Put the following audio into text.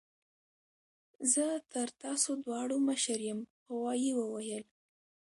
زه تر تاسو دواړو مشر یم غوايي وویل.